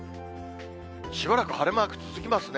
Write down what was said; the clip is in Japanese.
しばらく晴れマーク続きますね。